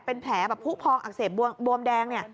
เป็นแผลแบบผู้พองอักเสบบวมแดงเนี่ย